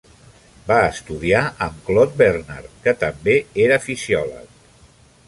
Va estudiar amb Claude Bernard, que també era fisiòleg.